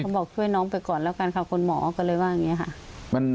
บอกช่วยน้องไปก่อนแล้วกันค่ะคุณหมอก็เลยว่าอย่างนี้ค่ะ